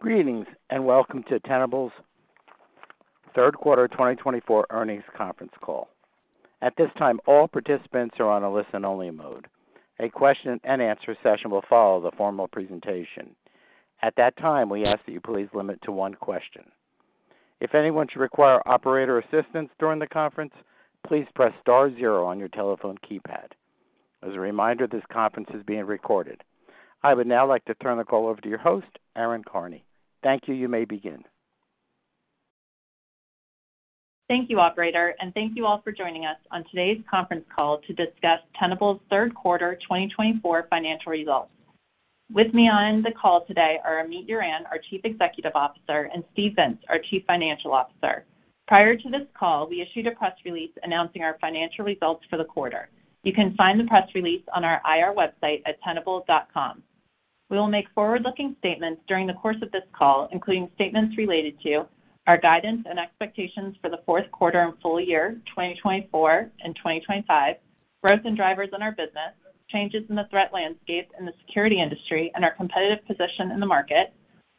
Greetings and welcome to Tenable's Q3 2024 earnings conference call. At this time, all participants are on a listen-only mode. A question-and-answer session will follow the formal presentation. At that time, we ask that you please limit to one question. If anyone should require operator assistance during the conference, please press star zero on your telephone keypad. As a reminder, this conference is being recorded. I would now like to turn the call over to your host, Erin Karney. Thank you. You may begin. Thank you, Operator, and thank you all for joining us on today's conference call to discuss Tenable's Q3 2024 financial results. With me on the call today are Amit Yoran, our Chief Executive Officer, and Steve Vintz, our Chief Financial Officer. Prior to this call, we issued a press release announcing our financial results for the quarter. You can find the press release on our IR website at tenable.com. We will make forward-looking statements during the course of this call, including statements related to our guidance and expectations for the Q4 and full year 2024 and 2025, growth and drivers in our business, changes in the threat landscape in the security industry, and our competitive position in the market,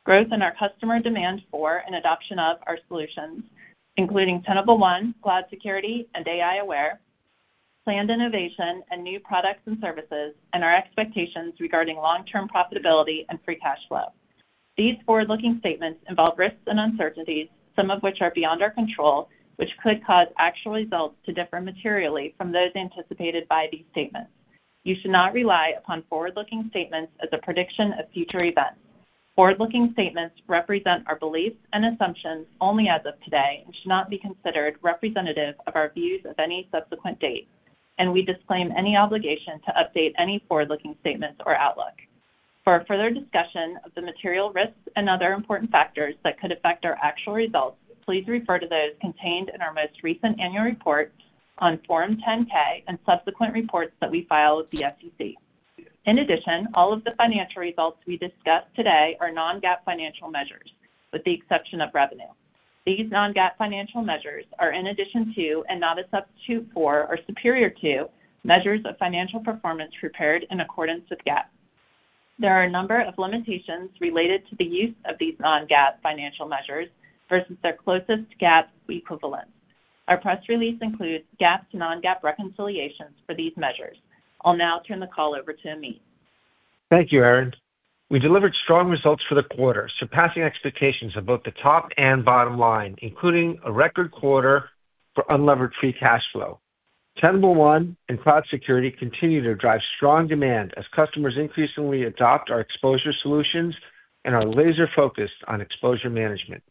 growth in our customer demand for and adoption of our solutions, including Tenable One, Cloud Security, and AI Aware, planned innovation and new products and services, and our expectations regarding long-term profitability and free cash flow. These forward-looking statements involve risks and uncertainties, some of which are beyond our control, which could cause actual results to differ materially from those anticipated by these statements. You should not rely upon forward-looking statements as a prediction of future events. Forward-looking statements represent our beliefs and assumptions only as of today and should not be considered representative of our views of any subsequent date, and we disclaim any obligation to update any forward-looking statements or outlook. For further discussion of the material risks and other important factors that could affect our actual results, please refer to those contained in our most recent annual report on Form 10-K and subsequent reports that we file with the SEC. In addition, all of the financial results we discuss today are non-GAAP financial measures, with the exception of revenue. These non-GAAP financial measures are in addition to and not a substitute for or superior to measures of financial performance prepared in accordance with GAAP. There are a number of limitations related to the use of these non-GAAP financial measures versus their closest GAAP equivalents. Our press release includes GAAP to non-GAAP reconciliations for these measures. I'll now turn the call over to Amit. Thank you, Erin. We delivered strong results for the quarter, surpassing expectations of both the top and bottom line, including a record quarter for unlevered free cash flow. Tenable One and Cloud Security continue to drive strong demand as customers increasingly adopt our exposure solutions and are laser-focused on exposure management.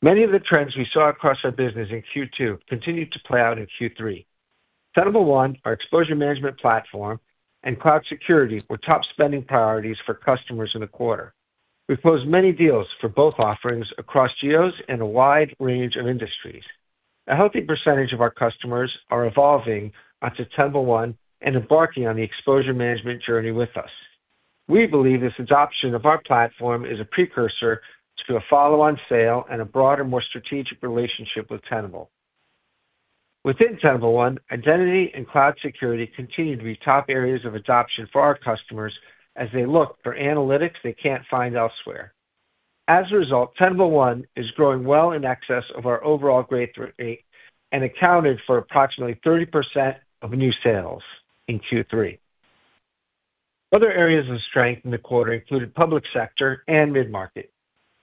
Many of the trends we saw across our business in Q2 continued to play out in Q3. Tenable One, our exposure management platform, and Cloud Security were top spending priorities for customers in the quarter. We closed many deals for both offerings across geos and a wide range of industries. A healthy percentage of our customers are evolving onto Tenable One and embarking on the exposure management journey with us. We believe this adoption of our platform is a precursor to a follow-on sale and a broader, more strategic relationship with Tenable. Within Tenable One, identity and Cloud Security continue to be top areas of adoption for our customers as they look for analytics they can't find elsewhere. As a result, Tenable One is growing well in excess of our overall growth rate and accounted for approximately 30% of new sales in Q3. Other areas of strength in the quarter included public sector and mid-market.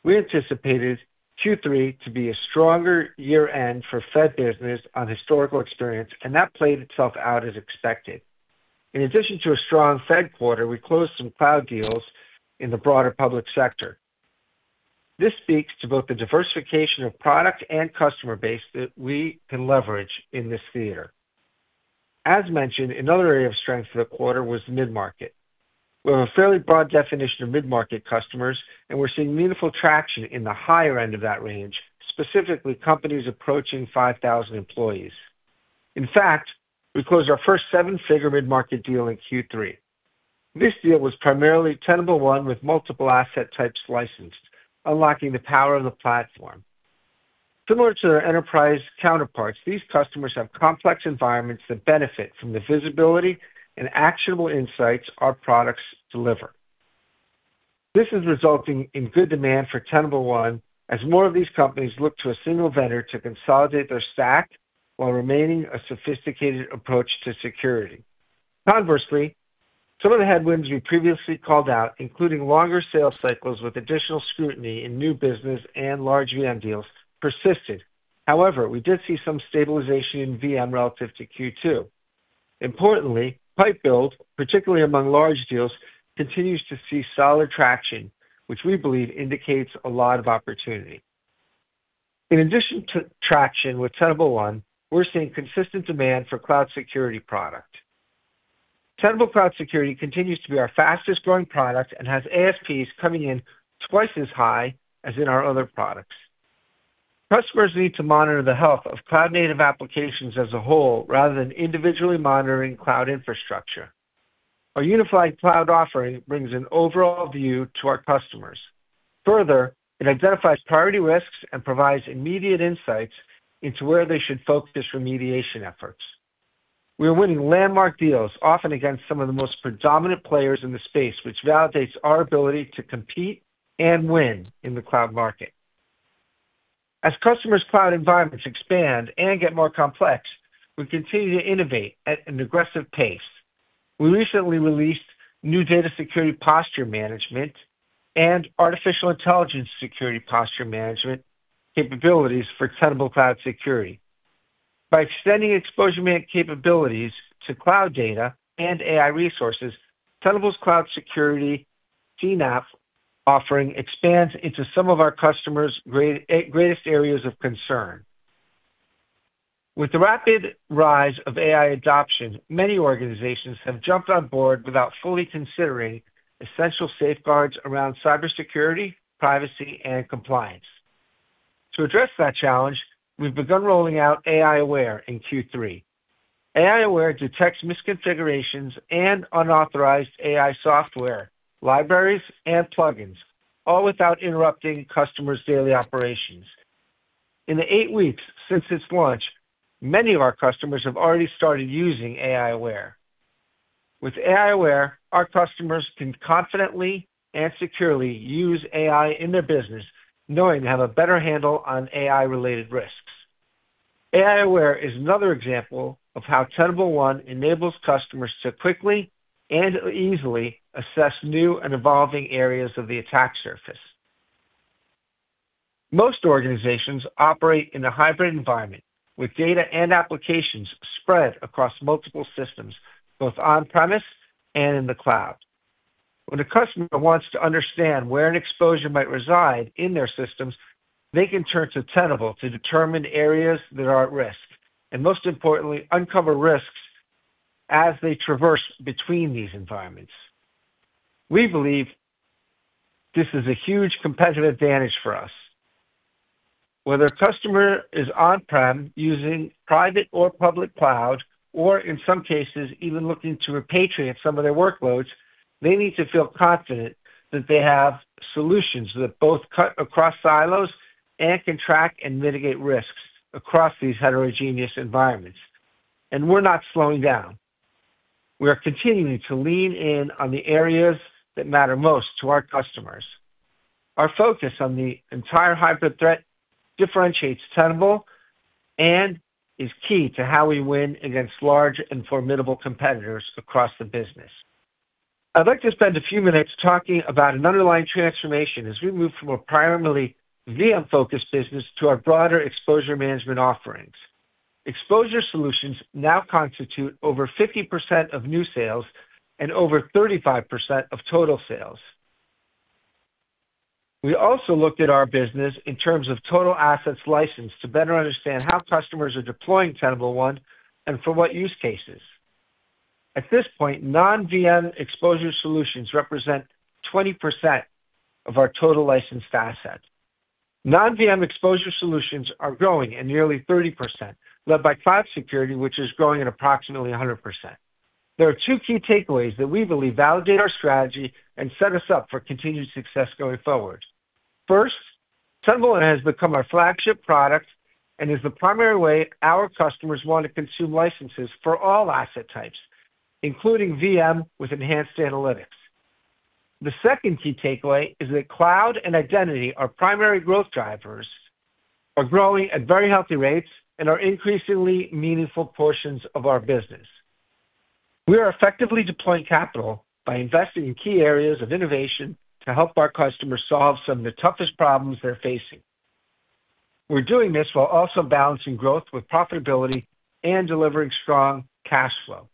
We anticipated Q3 to be a stronger year-end for Fed business on historical experience, and that played itself out as expected. In addition to a strong Fed quarter, we closed some Cloud deals in the broader public sector. This speaks to both the diversification of product and customer base that we can leverage in this theater. As mentioned, another area of strength for the quarter was mid-market. We have a fairly broad definition of mid-market customers, and we're seeing meaningful traction in the higher end of that range, specifically companies approaching 5,000 employees. In fact, we closed our first seven-figure mid-market deal in Q3. This deal was primarily Tenable One with multiple asset types licensed, unlocking the power of the platform. Similar to their enterprise counterparts, these customers have complex environments that benefit from the visibility and actionable insights our products deliver. This is resulting in good demand for Tenable One as more of these companies look to a single vendor to consolidate their stack while remaining a sophisticated approach to security. Conversely, some of the headwinds we previously called out, including longer sales cycles with additional scrutiny in new business and large VM deals, persisted. However, we did see some stabilization in VM relative to Q2. Importantly, pipeline build, particularly among large deals, continues to see solid traction, which we believe indicates a lot of opportunity. In addition to traction with Tenable One, we're seeing consistent demand for Cloud Security product. Tenable Cloud Security continues to be our fastest-growing product and has ASPs coming in twice as high as in our other products. Customers need to monitor the health of cloud-native applications as a whole rather than individually monitoring cloud infrastructure. Our unified cloud offering brings an overall view to our customers. Further, it identifies priority risks and provides immediate insights into where they should focus remediation efforts. We are winning landmark deals, often against some of the most predominant players in the space, which validates our ability to compete and win in the cloud market. As customers' cloud environments expand and get more complex, we continue to innovate at an aggressive pace. We recently released new Data Security Posture Management and Artificial Intelligence Security Posture Management capabilities for Tenable Cloud Security. By extending exposure capabilities to cloud data and AI resources, Tenable's Cloud Security CNAPP offering expands into some of our customers' greatest areas of concern. With the rapid rise of AI adoption, many organizations have jumped on board without fully considering essential safeguards around cybersecurity, privacy, and compliance. To address that challenge, we've begun rolling out AI Aware in Q3. AI Aware detects misconfigurations and unauthorized AI software libraries and plugins, all without interrupting customers' daily operations. In the eight weeks since its launch, many of our customers have already started using AI Aware. With AI Aware, our customers can confidently and securely use AI in their business, knowing they have a better handle on AI-related risks. AI Aware is another example of how Tenable One enables customers to quickly and easily assess new and evolving areas of the attack surface. Most organizations operate in a hybrid environment, with data and applications spread across multiple systems, both on-premise and in the cloud. When a customer wants to understand where an exposure might reside in their systems, they can turn to Tenable to determine areas that are at risk and, most importantly, uncover risks as they traverse between these environments. We believe this is a huge competitive advantage for us. Whether a customer is on-prem, using private or public cloud, or in some cases, even looking to repatriate some of their workloads, they need to feel confident that they have solutions that both cut across silos and can track and mitigate risks across these heterogeneous environments, and we're not slowing down. We are continuing to lean in on the areas that matter most to our customers. Our focus on the entire hybrid threat differentiates Tenable and is key to how we win against large and formidable competitors across the business. I'd like to spend a few minutes talking about an underlying transformation as we move from a primarily VM-focused business to our broader exposure management offerings. Exposure solutions now constitute over 50% of new sales and over 35% of total sales. We also looked at our business in terms of total assets licensed to better understand how customers are deploying Tenable One and for what use cases. At this point, non-VM exposure solutions represent 20% of our total licensed assets. Non-VM exposure solutions are growing at nearly 30%, led by Cloud Security, which is growing at approximately 100%. There are two key takeaways that we believe validate our strategy and set us up for continued success going forward. First, Tenable One has become our flagship product and is the primary way our customers want to consume licenses for all asset types, including VM with enhanced analytics. The second key takeaway is that cloud and identity are primary growth drivers, are growing at very healthy rates, and are increasingly meaningful portions of our business. We are effectively deploying capital by investing in key areas of innovation to help our customers solve some of the toughest problems they're facing. We're doing this while also balancing growth with profitability and delivering strong cash flow.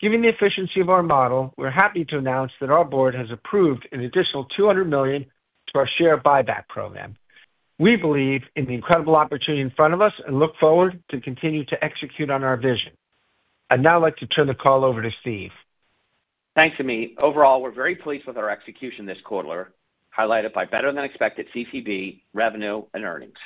Given the efficiency of our model, we're happy to announce that our board has approved an additional $200 million to our share buyback program. We believe in the incredible opportunity in front of us and look forward to continuing to execute on our vision. I'd now like to turn the call over to Steve. Thanks, Amit. Overall, we're very pleased with our execution this quarter, highlighted by better-than-expected CCB, revenue and earnings.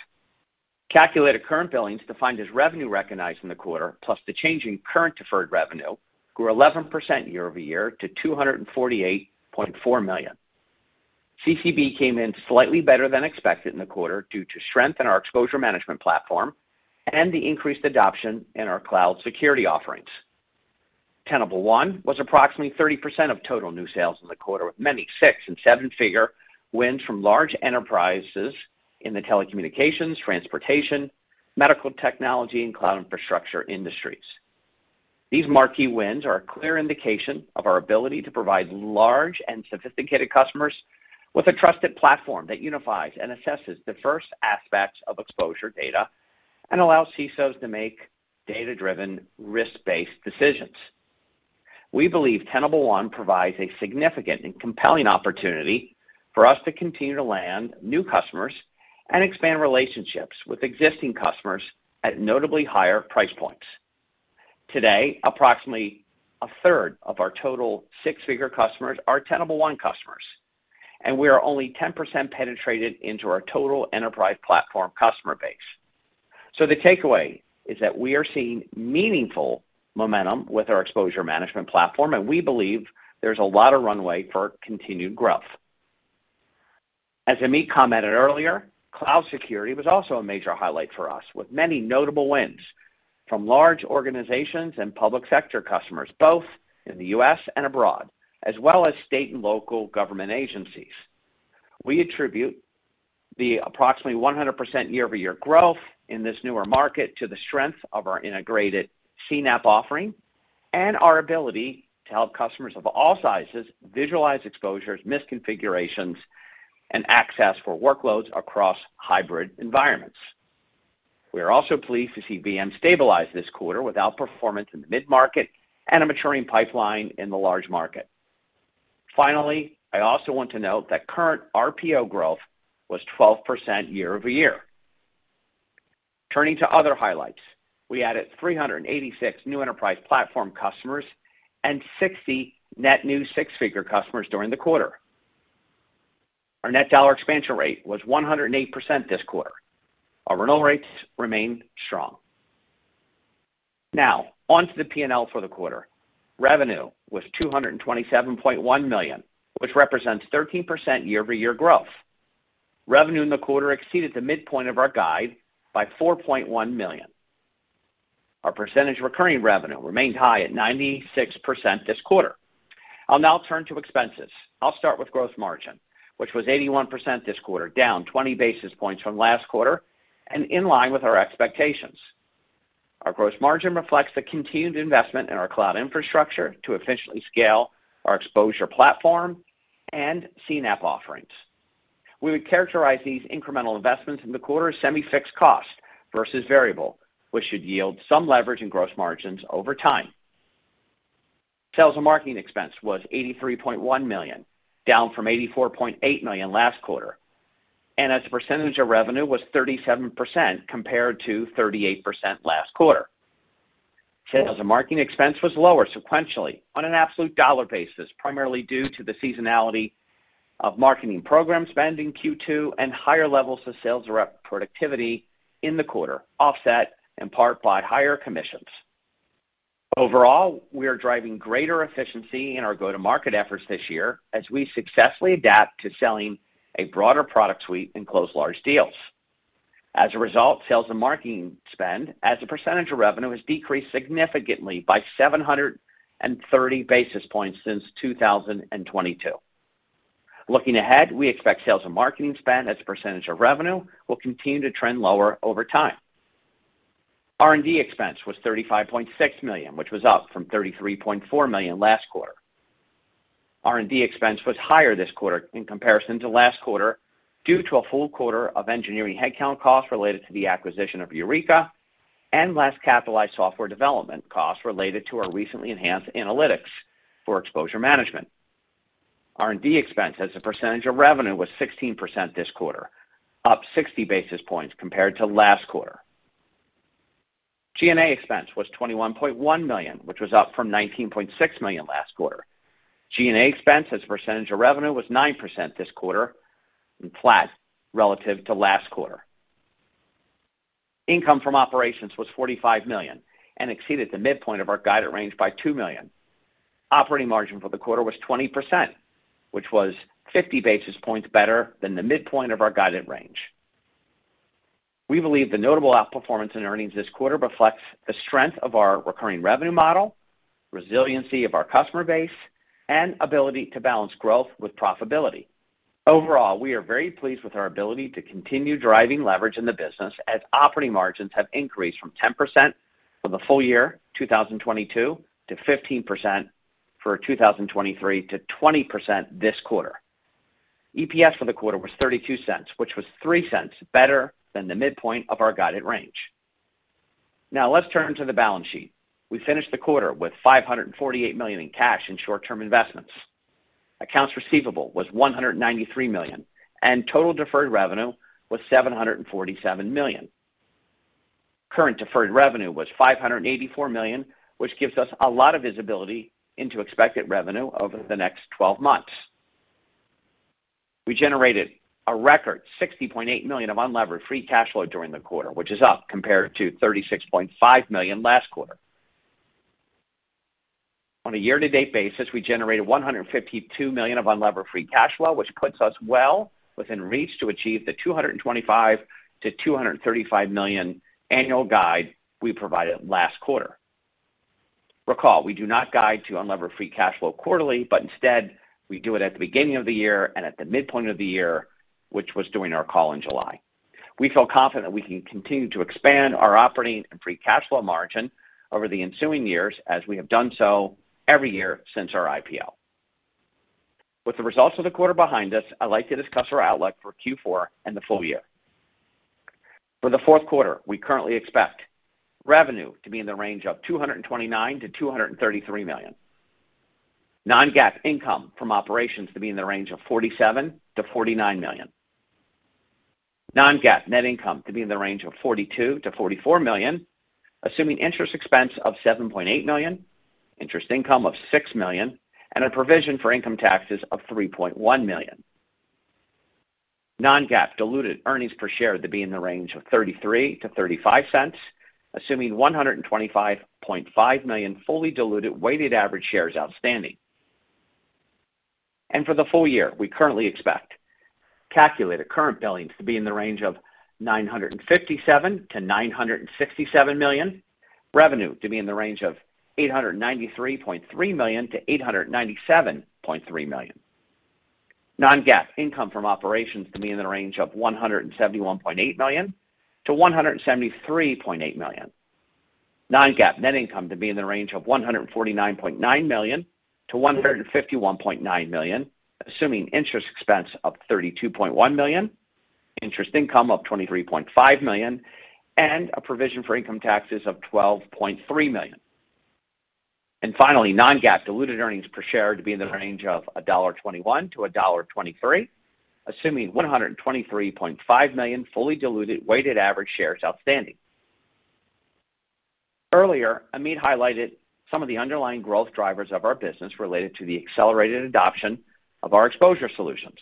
Calculated Current Billings defined as revenue recognized in the quarter, plus the change in current deferred revenue, grew 11% year-over-year to $248.4 million. CCB came in slightly better than expected in the quarter due to strength in our exposure management platform and the increased adoption in our cloud security offerings. Tenable One was approximately 30% of total new sales in the quarter, with many six and seven-figure wins from large enterprises in the telecommunications, transportation, medical technology, and cloud infrastructure industries. These marquee wins are a clear indication of our ability to provide large and sophisticated customers with a trusted platform that unifies and assesses diverse aspects of exposure data and allows CISOs to make data-driven, risk-based decisions. We believe Tenable One provides a significant and compelling opportunity for us to continue to land new customers and expand relationships with existing customers at notably higher price points. Today, approximately a third of our total six-figure customers are Tenable One customers, and we are only 10% penetrated into our total enterprise platform customer base, so the takeaway is that we are seeing meaningful momentum with our exposure management platform, and we believe there's a lot of runway for continued growth. As Amit commented earlier, Cloud Security was also a major highlight for us, with many notable wins from large organizations and public sector customers, both in the U.S. and abroad, as well as state and local government agencies. We attribute the approximately 100% year-over-year growth in this newer market to the strength of our integrated CNAPP offering and our ability to help customers of all sizes visualize exposures, misconfigurations, and access for workloads across hybrid environments. We are also pleased to see VM stabilize this quarter with outperformance in the mid-market and a maturing pipeline in the large market. Finally, I also want to note that current RPO growth was 12% year-over-year. Turning to other highlights, we added 386 new enterprise platform customers and 60 net new six-figure customers during the quarter. Our net dollar expansion rate was 108% this quarter. Our renewal rates remained strong. Now, onto the P&L for the quarter. Revenue was $227.1 million, which represents 13% year-over-year growth. Revenue in the quarter exceeded the midpoint of our guide by $4.1 million. Our percentage of recurring revenue remained high at 96% this quarter. I'll now turn to expenses. I'll start with gross margin, which was 81% this quarter, down 20 basis points from last quarter and in line with our expectations. Our gross margin reflects the continued investment in our cloud infrastructure to efficiently scale our exposure platform and CNAPP offerings. We would characterize these incremental investments in the quarter as semi-fixed costs versus variable, which should yield some leverage in gross margins over time. Sales and marketing expense was $83.1 million, down from $84.8 million last quarter, and as a percentage of revenue, it was 37% compared to 38% last quarter. Sales and marketing expense was lower sequentially on an absolute dollar basis, primarily due to the seasonality of marketing program spending Q2 and higher levels of sales rep productivity in the quarter, offset in part by higher commissions. Overall, we are driving greater efficiency in our go-to-market efforts this year as we successfully adapt to selling a broader product suite and close large deals. As a result, sales and marketing spend, as a percentage of revenue, has decreased significantly by 730 basis points since 2022. Looking ahead, we expect sales and marketing spend, as a percentage of revenue, will continue to trend lower over time. R&D expense was $35.6 million, which was up from $33.4 million last quarter. R&D expense was higher this quarter in comparison to last quarter due to a full quarter of engineering headcount costs related to the acquisition of Eureka and less capitalized software development costs related to our recently enhanced analytics for exposure management. R&D expense, as a percentage of revenue, was 16% this quarter, up 60 basis points compared to last quarter. G&A expense was $21.1 million, which was up from $19.6 million last quarter. G&A expense, as a percentage of revenue, was 9% this quarter and flat relative to last quarter. Income from operations was $45 million and exceeded the midpoint of our guided range by $2 million. Operating margin for the quarter was 20%, which was 50 basis points better than the midpoint of our guided range. We believe the notable outperformance in earnings this quarter reflects the strength of our recurring revenue model, resiliency of our customer base, and ability to balance growth with profitability. Overall, we are very pleased with our ability to continue driving leverage in the business as operating margins have increased from 10% for the full year, 2022, to 15% for 2023, to 20% this quarter. EPS for the quarter was $0.32, which was $0.03 better than the midpoint of our guided range. Now, let's turn to the balance sheet. We finished the quarter with $548 million in cash and short-term investments. Accounts receivable was $193 million, and total deferred revenue was $747 million. Current deferred revenue was $584 million, which gives us a lot of visibility into expected revenue over the next 12 months. We generated a record $60.8 million of unlevered free cash flow during the quarter, which is up compared to $36.5 million last quarter. On a year-to-date basis, we generated $152 million of unlevered free cash flow, which puts us well within reach to achieve the $225-$235 million annual guide we provided last quarter. Recall, we do not guide to unlevered free cash flow quarterly, but instead, we do it at the beginning of the year and at the midpoint of the year, which was during our call in July. We feel confident that we can continue to expand our operating and free cash flow margin over the ensuing years, as we have done so every year since our IPO. With the results of the quarter behind us, I'd like to discuss our outlook for Q4 and the full year. For the Q4, we currently expect revenue to be in the range of $229 million-$233 million. Non-GAAP income from operations to be in the range of $47 million-$49 million. Non-GAAP net income to be in the range of $42 million-$44 million, assuming interest expense of $7.8 million, interest income of $6 million, and a provision for income taxes of $3.1 million. Non-GAAP diluted earnings per share to be in the range of $0.33-$0.35, assuming 125.5 million fully diluted weighted average shares outstanding. For the full year, we currently expect calculated current billings to be in the range of $957-967 million, revenue to be in the range of $893.3-897.3 million. Non-GAAP income from operations to be in the range of $171.8-173.8 million. Non-GAAP net income to be in the range of $149.9-151.9 million, assuming interest expense of $32.1 million, interest income of $23.5 million, and a provision for income taxes of $12.3 million. Finally, Non-GAAP diluted earnings per share to be in the range of $1.21-$1.23, assuming 123.5 million fully diluted weighted average shares outstanding. Earlier, Amit highlighted some of the underlying growth drivers of our business related to the accelerated adoption of our exposure solutions.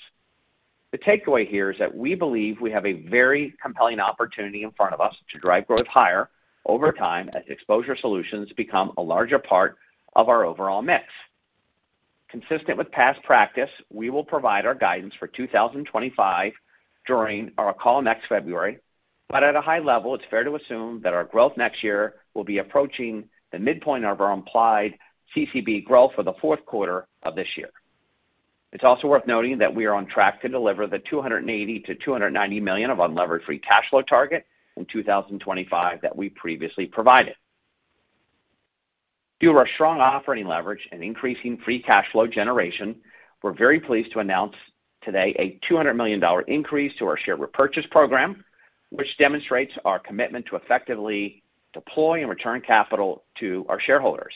The takeaway here is that we believe we have a very compelling opportunity in front of us to drive growth higher over time as exposure solutions become a larger part of our overall mix. Consistent with past practice, we will provide our guidance for 2025 during our call next February, but at a high level, it's fair to assume that our growth next year will be approaching the midpoint of our implied CCB growth for the Q4 of this year. It's also worth noting that we are on track to deliver the $280 million-$290 million of unlevered free cash flow target in 2025 that we previously provided. Due to our strong operating leverage and increasing free cash flow generation, we're very pleased to announce today a $200 million increase to our share repurchase program, which demonstrates our commitment to effectively deploy and return capital to our shareholders.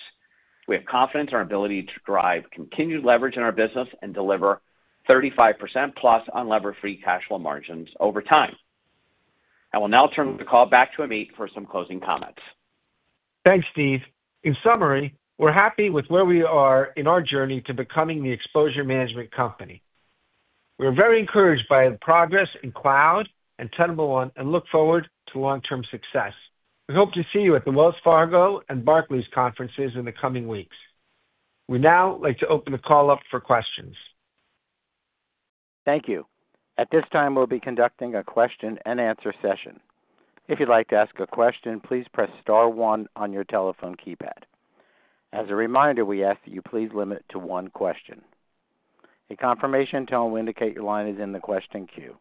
We have confidence in our ability to drive continued leverage in our business and deliver 35%+ unlevered free cash flow margins over time. I will now turn the call back to Amit for some closing comments. Thanks, Steve. In summary, we're happy with where we are in our journey to becoming the exposure management company. We are very encouraged by the progress in cloud and Tenable One and look forward to long-term success. We hope to see you at the Wells Fargo and Barclays conferences in the coming weeks. We now like to open the call up for questions. Thank you. At this time, we'll be conducting a question-and-answer session. If you'd like to ask a question, please press star one on your telephone keypad. As a reminder, we ask that you please limit it to one question. A confirmation tone will indicate your line is in the question queue.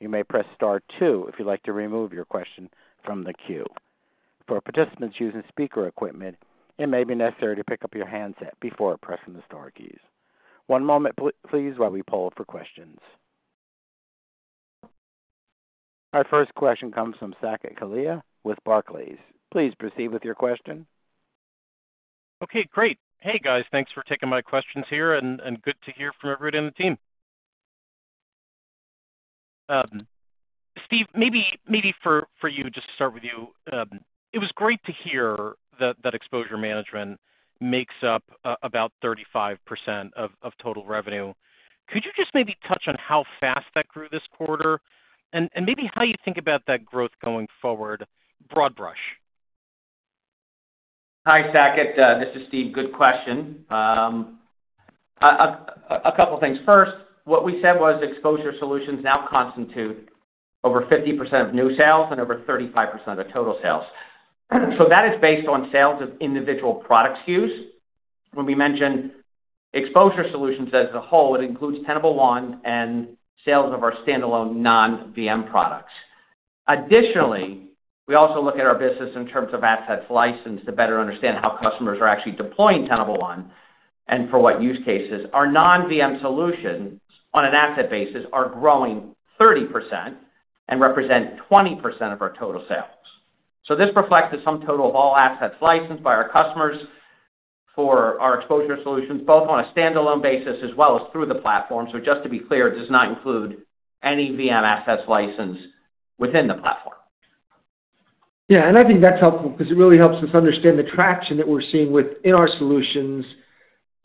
You may press star two if you'd like to remove your question from the queue. For participants using speaker equipment, it may be necessary to pick up your handset before pressing the star keys. One moment, please, while we poll for questions. Our first question comes from Saket Kalia with Barclays. Please proceed with your question. Okay, great. Hey, guys. Thanks for taking my questions here, and good to hear from everybody on the team. Steve, maybe for you, just to start with you, it was great to hear that exposure management makes up about 35% of total revenue. Could you just maybe touch on how fast that grew this quarter and maybe how you think about that growth going forward, broad brush? Hi, Saket. This is Steve. Good question. A couple of things. First, what we said was exposure solutions now constitutes over 50% of new sales and over 35% of total sales. So that is based on sales of individual product SKUs. When we mention exposure solutions as a whole, it includes Tenable One and sales of our standalone non-VM products. Additionally, we also look at our business in terms of assets licensed to better understand how customers are actually deploying Tenable One and for what use cases. Our non-VM solutions on an asset basis are growing 30% and represent 20% of our total sales. So this reflects the sum total of all assets licensed by our customers for our exposure solutions, both on a standalone basis as well as through the platform. So just to be clear, it does not include any VM assets licensed within the platform. Yeah, and I think that's helpful because it really helps us understand the traction that we're seeing within our solutions,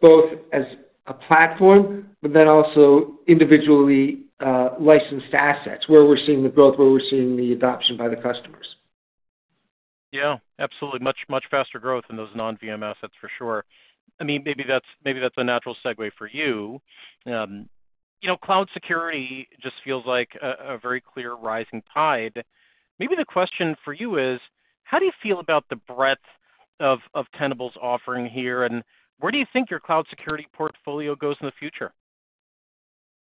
both as a platform, but then also individually licensed assets, where we're seeing the growth, where we're seeing the adoption by the customers. Yeah, absolutely. Much faster growth in those non-VM assets, for sure. Amit, maybe that's a natural segue for you. Cloud security just feels like a very clear rising tide. Maybe the question for you is, how do you feel about the breadth of Tenable's offering here, and where do you think your cloud security portfolio goes in the future?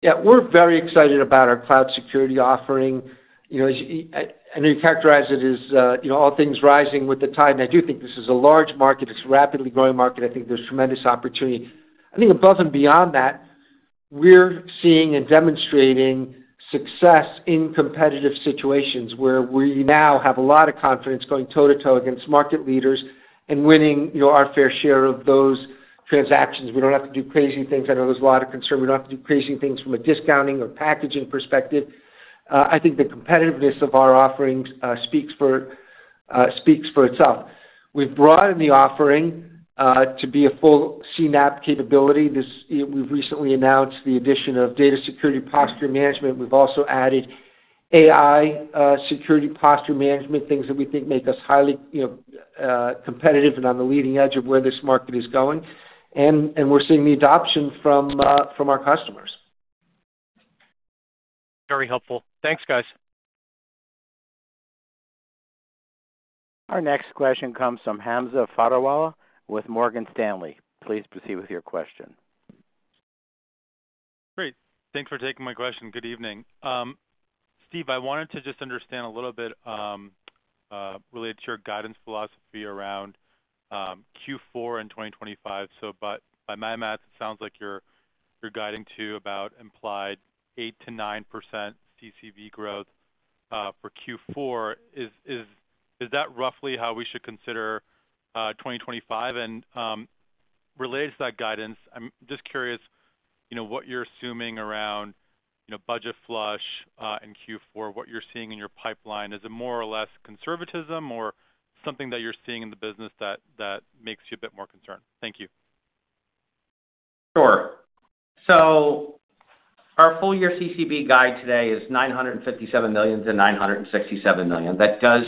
Yeah, we're very excited about our cloud security offering. I know you characterized it as all things rising with the tide. I do think this is a large market. It's a rapidly growing market. I think there's tremendous opportunity. I think above and beyond that, we're seeing and demonstrating success in competitive situations where we now have a lot of confidence going toe-to-toe against market leaders and winning our fair share of those transactions. We don't have to do crazy things. I know there's a lot of concern. We don't have to do crazy things from a discounting or packaging perspective. I think the competitiveness of our offering speaks for itself. We've broadened the offering to be a full CNAPP capability. We've recently announced the addition of Data Security Posture Management. We've also added AI Security Posture Management, things that we think make us highly competitive and on the leading edge of where this market is going. And we're seeing the adoption from our customers. Very helpful. Thanks, guys. Our next question comes from Hamza Fodderwala with Morgan Stanley. Please proceed with your question. Great. Thanks for taking my question. Good evening. Steve, I wanted to just understand a little bit related to your guidance philosophy around Q4 and 2025. So by my math, it sounds like you're guiding to about implied 8-9% CCB growth for Q4. Is that roughly how we should consider 2025? And related to that guidance, I'm just curious what you're assuming around budget flush in Q4, what you're seeing in your pipeline. Is it more or less conservatism or something that you're seeing in the business that makes you a bit more concerned? Thank you. Sure. So our full-year CCB guide today is $957 million-$967 million. That does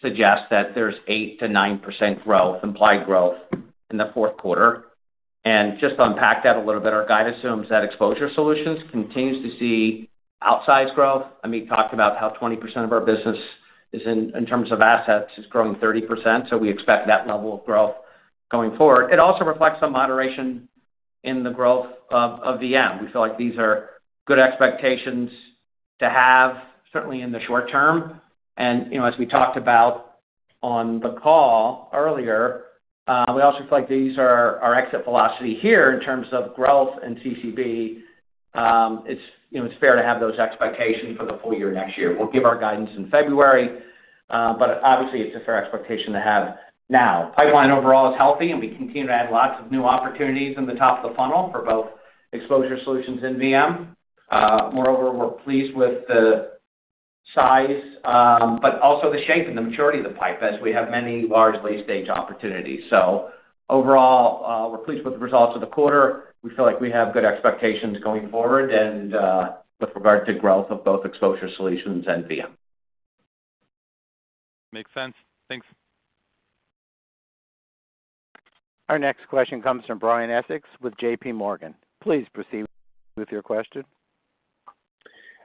suggest that there's 8%-9% implied growth in the Q4. And just to unpack that a little bit, our guide assumes that exposure solutions continues to see outsized growth. Amit talked about how 20% of our business, in terms of assets, is growing 30%, so we expect that level of growth going forward. It also reflects some moderation in the growth of VM. We feel like these are good expectations to have, certainly in the short term. And as we talked about on the call earlier, we also feel like these are our exit velocity here in terms of growth and CCB. It's fair to have those expectations for the full year next year. We'll give our guidance in February, but obviously, it's a fair expectation to have now. Pipeline overall is healthy, and we continue to add lots of new opportunities in the top of the funnel for both exposure solutions and VM. Moreover, we're pleased with the size, but also the shape and the maturity of the pipe as we have many large late-stage opportunities. So overall, we're pleased with the results of the quarter. We feel like we have good expectations going forward with regard to growth of both exposure solutions and VM. Makes sense. Thanks. Our next question comes from Brian Essex with JPMorgan. Please proceed with your question.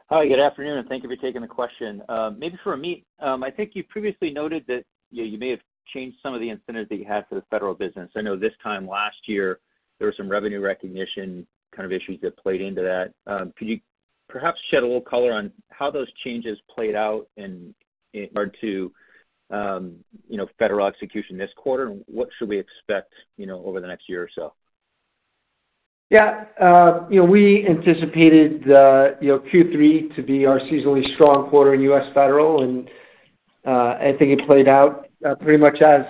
Hi, good afternoon, and thank you for taking the question. Maybe for Amit, I think you previously noted that you may have changed some of the incentives that you had for the federal business. I know this time last year, there were some revenue recognition kind of issues that played into that. Could you perhaps shed a little color on how those changes played out in regard to federal execution this quarter, and what should we expect over the next year or so? Yeah. We anticipated Q3 to be our seasonally strong quarter in U.S. federal, and I think it played out pretty much as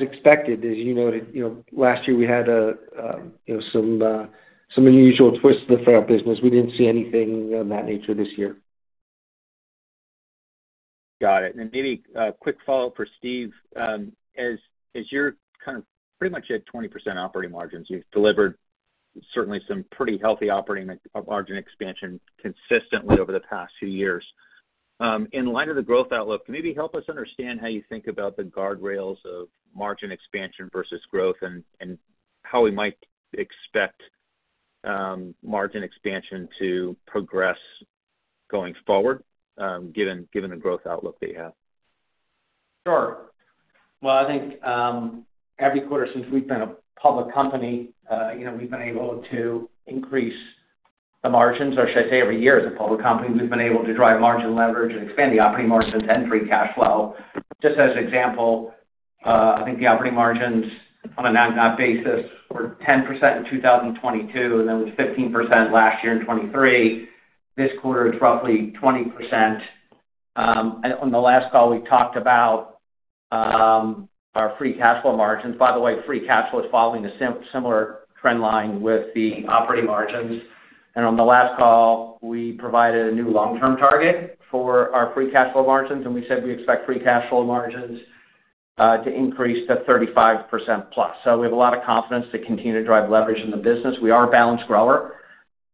expected. As you noted, last year, we had some unusual twists in the federal business. We didn't see anything of that nature this year. Got it. And maybe a quick follow-up for Steve. As you're kind of pretty much at 20% operating margins, you've delivered certainly some pretty healthy operating margin expansion consistently over the past few years. In light of the growth outlook, can you maybe help us understand how you think about the guardrails of margin expansion versus growth and how we might expect margin expansion to progress going forward, given the growth outlook that you have? Sure. Well, I think every quarter, since we've been a public company, we've been able to increase the margins. Or should I say, every year as a public company, we've been able to drive margin leverage and expand the operating margins and free cash flow. Just as an example, I think the operating margins on a non-GAAP basis were 10% in 2022, and then it was 15% last year in 2023. This quarter, it's roughly 20%. And on the last call, we talked about our free cash flow margins. By the way, free cash flow is following a similar trend line with the operating margins. And on the last call, we provided a new long-term target for our free cash flow margins, and we said we expect free cash flow margins to increase to 35%+. So we have a lot of confidence to continue to drive leverage in the business. We are a balanced grower.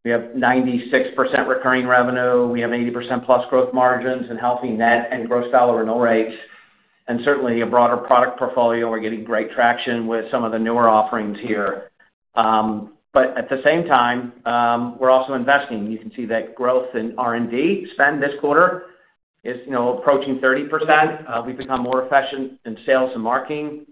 We have 96% recurring revenue. We have 80%+ growth margins and healthy net and gross dollar renewal rates. And certainly, a broader product portfolio. We're getting great traction with some of the newer offerings here. But at the same time, we're also investing. You can see that growth in R&D spend this quarter is approaching 30%. We've become more efficient in sales and marketing.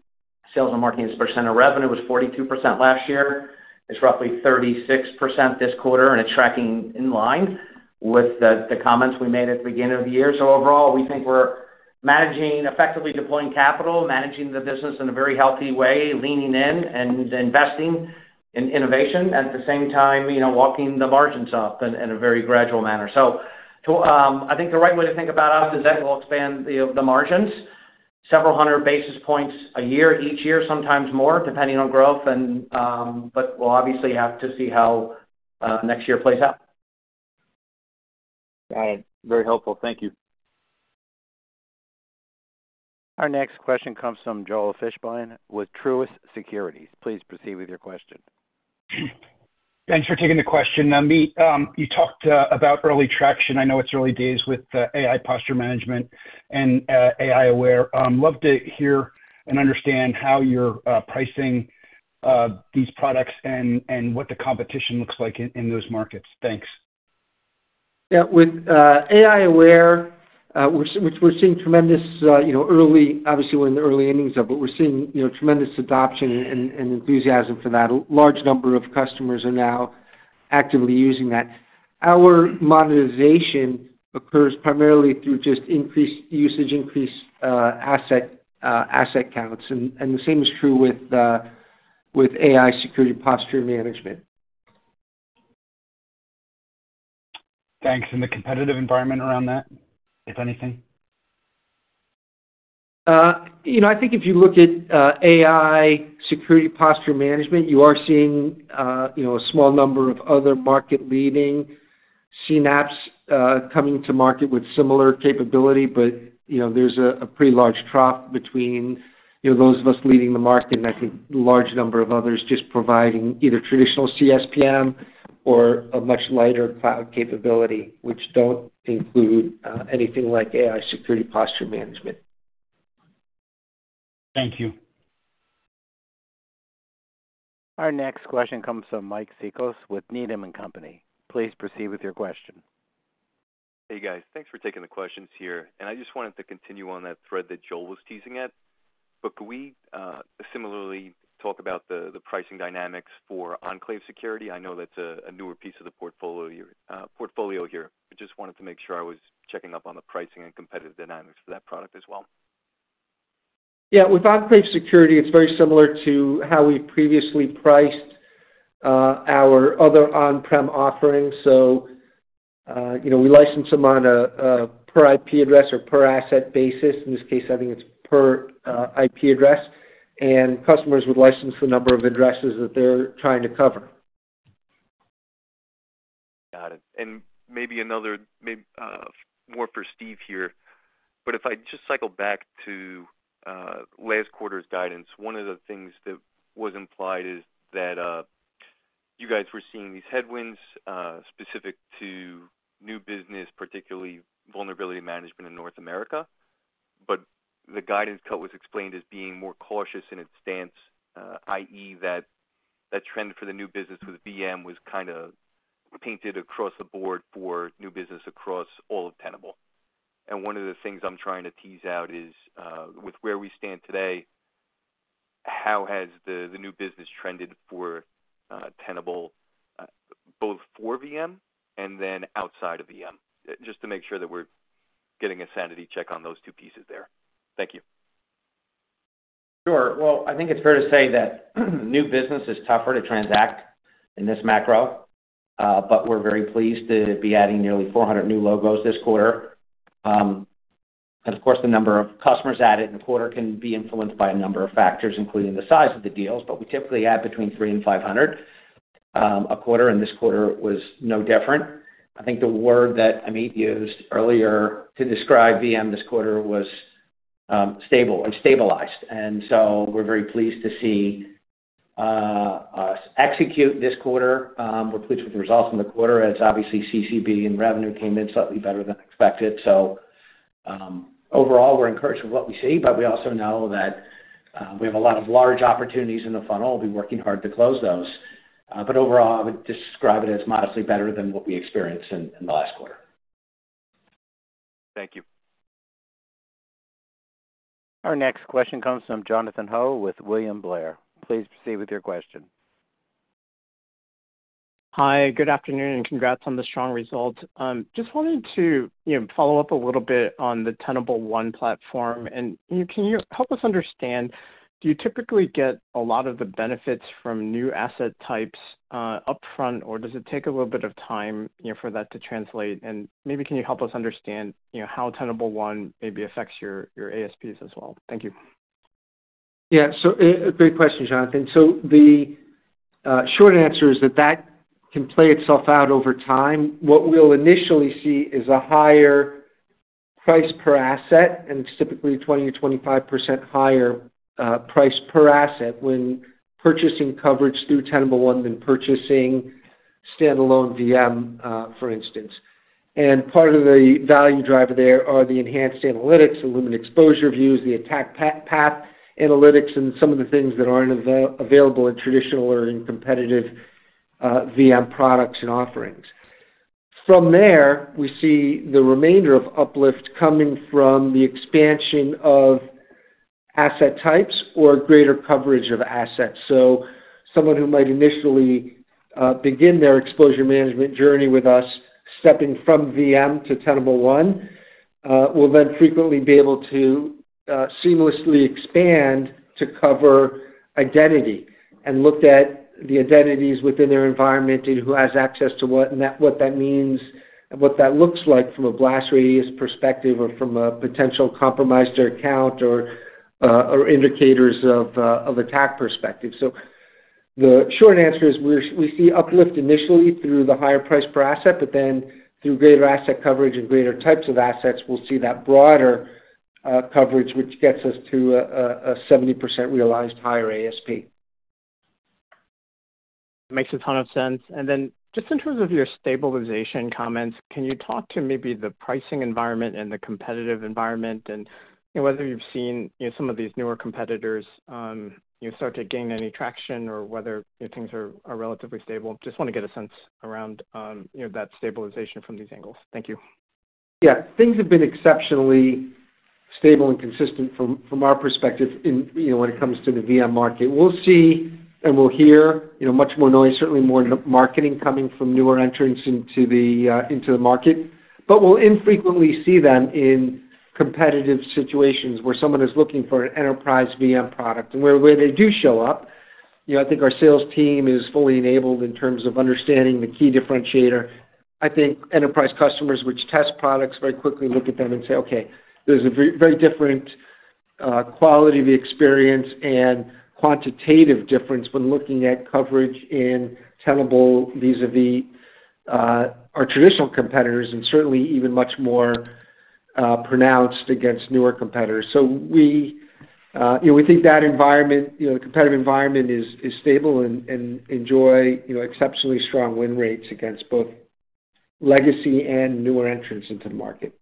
Sales and marketing's percent of revenue was 42% last year. It's roughly 36% this quarter, and it's tracking in line with the comments we made at the beginning of the year. So overall, we think we're effectively deploying capital, managing the business in a very healthy way, leaning in and investing in innovation, at the same time locking the margins up in a very gradual manner. So I think the right way to think about us is that we'll expand the margins several hundred basis points a year, each year, sometimes more, depending on growth. But we'll obviously have to see how next year plays out. Got it. Very helpful. Thank you. Our next question comes from Joel Fishbein with Truist Securities. Please proceed with your question. Thanks for taking the question, Amit. You talked about early traction. I know it's early days with AI posture management and AI Aware. I'd love to hear and understand how you're pricing these products and what the competition looks like in those markets. Thanks. Yeah. With AI Aware, we're seeing tremendous early, obviously, we're in the early innings of it, but we're seeing tremendous adoption and enthusiasm for that. A large number of customers are now actively using that. Our monetization occurs primarily through just increased usage, increased asset counts. And the same is true with AI security posture management. Thanks. And the competitive environment around that, if anything? I think if you look at AI security posture management, you are seeing a small number of other market-leading CNAPPs coming to market with similar capability, but there's a pretty large trough between those of us leading the market and, I think, a large number of others just providing either traditional CSPM or a much lighter cloud capability, which don't include anything like AI security posture management. Thank you. Our next question comes from Mike Cikos with Needham & Company. Please proceed with your question. Hey, guys. Thanks for taking the questions here. And I just wanted to continue on that thread that Joel was teasing at. But could we similarly talk about the pricing dynamics for Enclave Security? I know that's a newer piece of the portfolio here. I just wanted to make sure I was checking up on the pricing and competitive dynamics for that product as well. Yeah. With Enclave Security, it's very similar to how we've previously priced our other on-prem offerings, so we license them on a per IP address or per asset basis. In this case, I think it's per IP address, and customers would license the number of addresses that they're trying to cover. Got it. And maybe more for Steve here. But if I just cycle back to last quarter's guidance, one of the things that was implied is that you guys were seeing these headwinds specific to new business, particularly Vulnerability Management in North America. But the guidance cut was explained as being more cautious in its stance, i.e., that trend for the new business with VM was kind of painted across the board for new business across all of Tenable. And one of the things I'm trying to tease out is, with where we stand today, how has the new business trended for Tenable, both for VM and then outside of VM? Just to make sure that we're getting a sanity check on those two pieces there. Thank you. Sure, well, I think it's fair to say that new business is tougher to transact in this macro, but we're very pleased to be adding nearly 400 new logos this quarter, and of course, the number of customers added in a quarter can be influenced by a number of factors, including the size of the deals, but we typically add between three and 500 a quarter, and this quarter was no different. I think the word that Amit used earlier to describe VM this quarter was stable and stabilized, and so we're very pleased to see us execute this quarter. We're pleased with the results in the quarter as, obviously, CCB and revenue came in slightly better than expected, so overall, we're encouraged with what we see, but we also know that we have a lot of large opportunities in the funnel. We'll be working hard to close those. But overall, I would describe it as modestly better than what we experienced in the last quarter. Thank you. Our next question comes from Jonathan Ho with William Blair. Please proceed with your question. Hi. Good afternoon, and congrats on the strong results. Just wanted to follow up a little bit on the Tenable One platform, and can you help us understand, do you typically get a lot of the benefits from new asset types upfront, or does it take a little bit of time for that to translate, and maybe can you help us understand how Tenable One maybe affects your ASPs as well? Thank you. Yeah. So great question, Jonathan. So the short answer is that that can play itself out over time. What we'll initially see is a higher price per asset, and it's typically 20%-25% higher price per asset when purchasing coverage through Tenable One than purchasing standalone VM, for instance. And part of the value driver there are the enhanced analytics, the Lumen Exposure Views, the Attack Path Analytics, and some of the things that aren't available in traditional or in competitive VM products and offerings. From there, we see the remainder of uplift coming from the expansion of asset types or greater coverage of assets. Someone who might initially begin their exposure management journey with us, stepping from VM to Tenable One, will then frequently be able to seamlessly expand to cover identity and look at the identities within their environment and who has access to what that means and what that looks like from a blast radius perspective or from a potential compromised account or indicators of attack perspective. The short answer is we see uplift initially through the higher price per asset, but then through greater asset coverage and greater types of assets, we'll see that broader coverage, which gets us to a 70% realized higher ASP. Makes a ton of sense. And then just in terms of your stabilization comments, can you talk to maybe the pricing environment and the competitive environment and whether you've seen some of these newer competitors start to gain any traction or whether things are relatively stable? Just want to get a sense around that stabilization from these angles. Thank you. Yeah. Things have been exceptionally stable and consistent from our perspective when it comes to the VM market. We'll see and we'll hear much more noise, certainly more marketing coming from newer entrants into the market. But we'll infrequently see them in competitive situations where someone is looking for an enterprise VM product. And where they do show up, I think our sales team is fully enabled in terms of understanding the key differentiator. I think enterprise customers which test products very quickly look at them and say, "Okay. There's a very different quality of the experience and quantitative difference when looking at coverage in Tenable vis-à-vis our traditional competitors and certainly even much more pronounced against newer competitors." So we think that environment, the competitive environment, is stable and enjoy exceptionally strong win rates against both legacy and newer entrants into the market.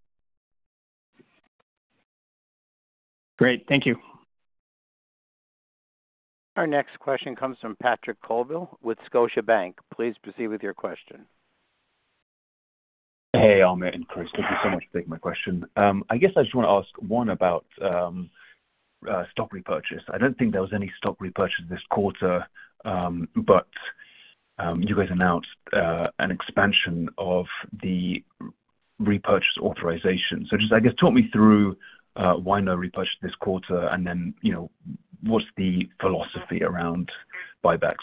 Great. Thank you. Our next question comes from Patrick Colville with Scotiabank. Please proceed with your question. Hey, Amit and Steve. Thank you so much for taking my question. I guess I just want to ask one about stock repurchase. I don't think there was any stock repurchase this quarter, but you guys announced an expansion of the repurchase authorization. So just, I guess, talk me through why no repurchase this quarter and then what's the philosophy around buybacks?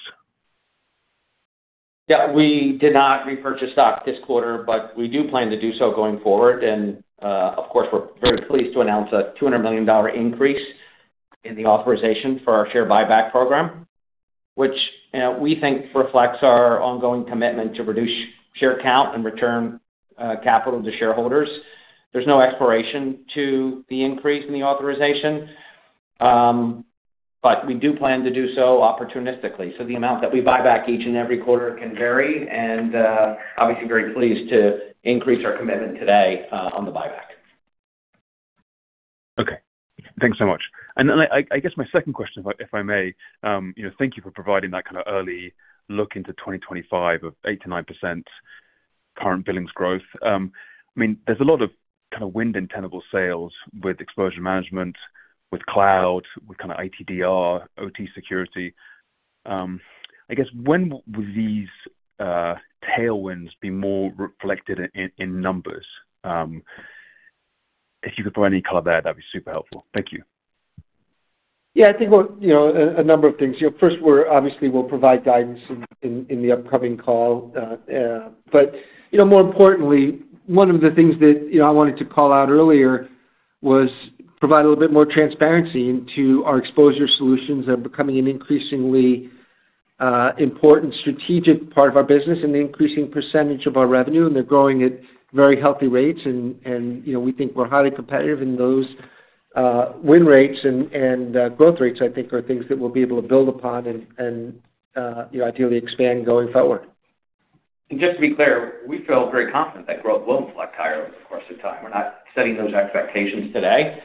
Yeah. We did not repurchase stock this quarter, but we do plan to do so going forward. And of course, we're very pleased to announce a $200 million increase in the authorization for our share buyback program, which we think reflects our ongoing commitment to reduce share count and return capital to shareholders. There's no expiration to the increase in the authorization, but we do plan to do so opportunistically. So the amount that we buy back each and every quarter can vary. And obviously, very pleased to increase our commitment today on the buyback. Okay. Thanks so much. And then I guess my second question, if I may, thank you for providing that kind of early look into 2025 of 8%-9% current billings growth. I mean, there's a lot of kind of wind in Tenable sales with exposure management, with cloud, with kind of ITDR, OT security. I guess when will these tailwinds be more reflected in numbers? If you could put any color there, that'd be super helpful. Thank you. Yeah. I think a number of things. First, obviously, we'll provide guidance in the upcoming call. But more importantly, one of the things that I wanted to call out earlier was provide a little bit more transparency into our exposure solutions that are becoming an increasingly important strategic part of our business and the increasing percentage of our revenue. And they're growing at very healthy rates. And we think we're highly competitive in those win rates and growth rates, I think, are things that we'll be able to build upon and ideally expand going forward. Just to be clear, we feel very confident that growth will reflect higher over the course of time. We're not setting those expectations today.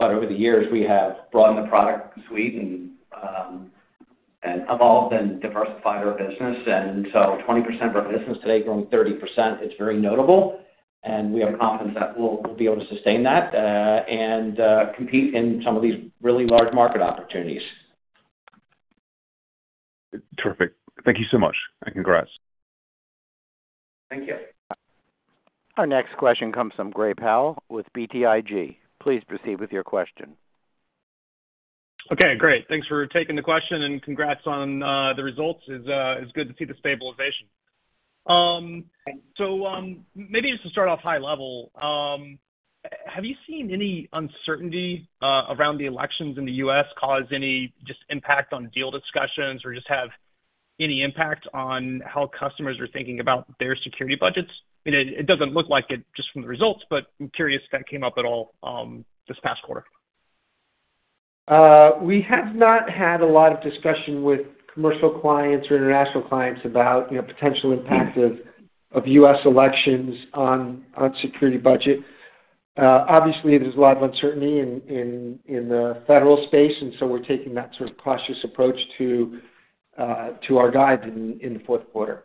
Over the years, we have broadened the product suite and evolved and diversified our business. So 20% of our business today growing 30%, it's very notable. We have confidence that we'll be able to sustain that and compete in some of these really large market opportunities. Terrific. Thank you so much. And congrats. Thank you. Our next question comes from Gray Powell with BTIG. Please proceed with your question. Okay. Great. Thanks for taking the question and congrats on the results. It's good to see the stabilization. So maybe just to start off high level, have you seen any uncertainty around the elections in the U.S. cause any just impact on deal discussions or just have any impact on how customers are thinking about their security budgets? I mean, it doesn't look like it just from the results, but I'm curious if that came up at all this past quarter. We have not had a lot of discussion with commercial clients or international clients about potential impacts of U.S. elections on security budget. Obviously, there's a lot of uncertainty in the federal space, and so we're taking that sort of cautious approach to our guides in the Q4.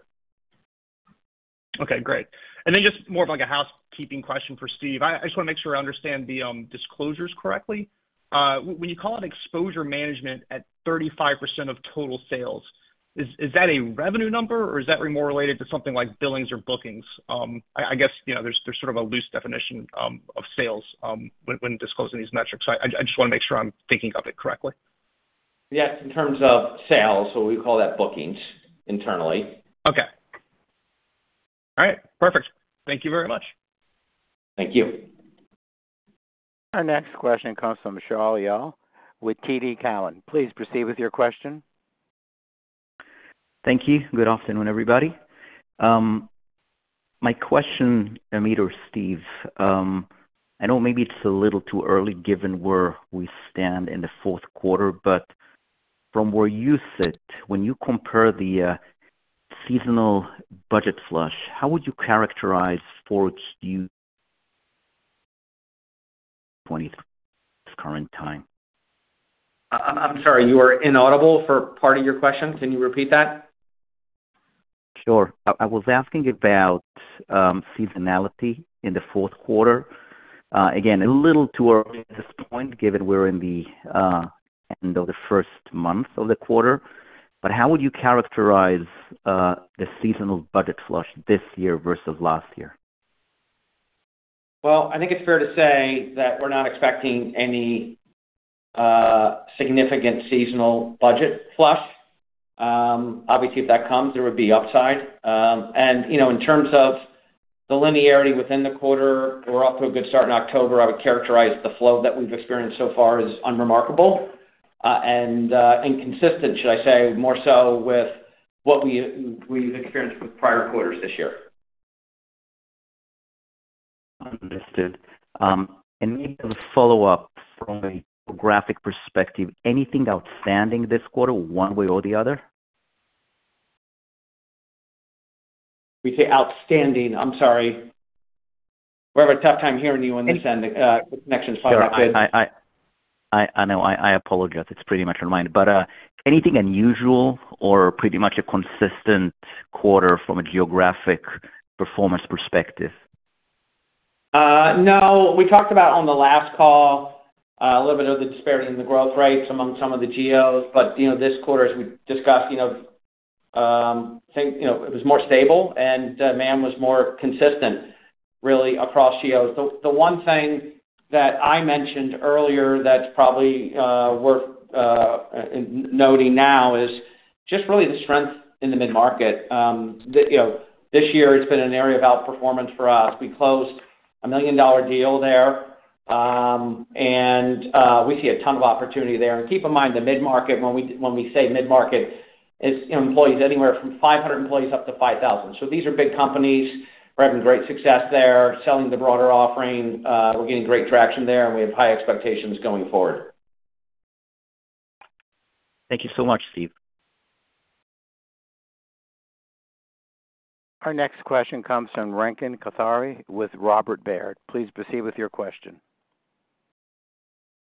Okay. Great. And then just more of a housekeeping question for Steve. I just want to make sure I understand the disclosures correctly. When you call it exposure management at 35% of total sales, is that a revenue number, or is that more related to something like billings or bookings? I guess there's sort of a loose definition of sales when disclosing these metrics. So I just want to make sure I'm thinking of it correctly. Yes. In terms of sales, we call that bookings internally. Okay. All right. Perfect. Thank you very much. Thank you. Our next question comes from Shaul Eyal with TD Cowen. Please proceed with your question. Thank you. Good afternoon, everybody. My question, Amit or Steve, I know maybe it's a little too early given where we stand in the Q4, but from where you sit, when you compare the seasonal budget flush, how would you characterize Q4 2023's? I'm sorry. You were inaudible for part of your question. Can you repeat that? Sure. I was asking about seasonality in the Q4. Again, a little too early at this point given we're in the end of the first month of the quarter. But how would you characterize the seasonal budget flush this year versus last year? I think it's fair to say that we're not expecting any significant seasonal budget flush. Obviously, if that comes, there would be upside. In terms of the linearity within the quarter, we're off to a good start in October. I would characterize the flow that we've experienced so far as unremarkable and consistent, should I say, more so with what we've experienced with prior quarters this year. Understood. And maybe as a follow-up from a graphic perspective, anything outstanding this quarter one way or the other? We say outstanding. I'm sorry. We're having a tough time hearing you on the connection. Sorry about that. I know. I apologize. It's pretty much on my end. But anything unusual or pretty much a consistent quarter from a geographic performance perspective? No. We talked about on the last call a little bit of the disparity in the growth rates among some of the geos. But this quarter, as we discussed, I think it was more stable, and demand was more consistent really across geos. The one thing that I mentioned earlier that's probably worth noting now is just really the strength in the mid-market. This year, it's been an area of outperformance for us. We closed a $1 million deal there, and we see a ton of opportunity there. And keep in mind, the mid-market, when we say mid-market, is employees anywhere from 500-5,000. So these are big companies. We're having great success there, selling the broader offering. We're getting great traction there, and we have high expectations going forward. Thank you so much, Steve. Our next question comes from Shrenik Kothari with Robert Baird. Please proceed with your question.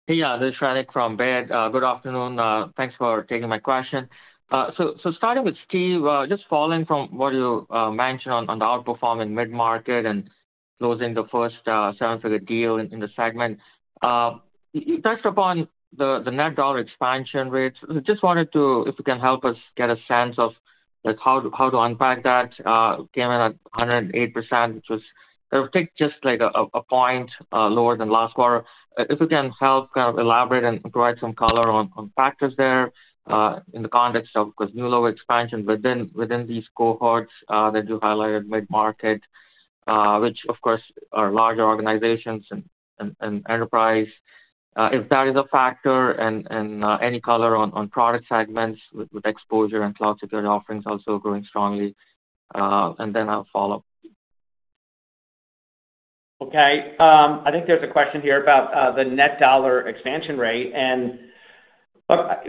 Hey, yeah. This is Shrenik Kothari from Baird. Good afternoon. Thanks for taking my question. So starting with Steve, just following from what you mentioned on the outperforming mid-market and closing the first seven-figure deal in the segment, you touched upon the net dollar expansion rates. So just wanted to, if you can help us get a sense of how to unpack that. Came in at 108%, which was kind of just like a point lower than last quarter. If you can help kind of elaborate and provide some color on factors there in the context of, of course, new lower expansion within these cohorts that you highlighted mid-market, which, of course, are larger organizations and enterprise. If that is a factor and any color on product segments with exposure and cloud security offerings also growing strongly. And then I'll follow. Okay. I think there's a question here about the net dollar expansion rate. And